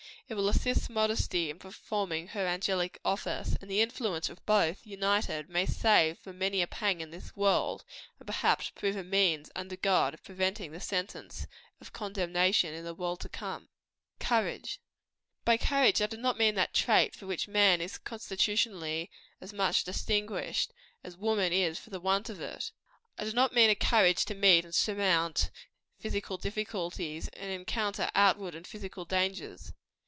It will assist modesty in performing her angelic office; and the influence of both, united, may save from many a pang in this world, and perhaps prove a means, under God, of preventing the sentence of condemnation in the world to come. COURAGE. By courage I do not mean that trait for which man is constitutionally as much distinguished, as woman is for the want of it I mean not a courage to meet and surmount physical difficulties, and encounter outward and physical dangers.